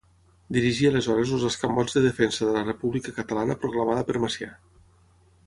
Dirigí aleshores els escamots de defensa de la República Catalana proclamada per Macià.